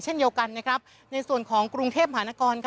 เช่นเดียวกันในส่วนของกรุงเทพหานคร